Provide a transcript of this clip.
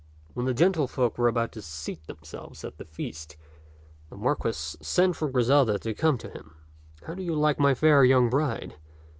When the gentlefolk were about to seat themselves at the feast, the Marquis sent for Griselda to come to him. "How do you like my fair young bride?"